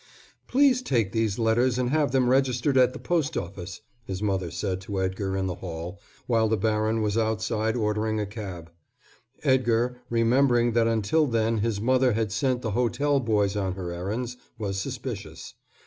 "Please take these letters and have them registered at the post office," his mother said to Edgar in the hall, while the baron was outside ordering a cab. Edgar, remembering that until then his mother had sent the hotel boys on her errands, was suspicious.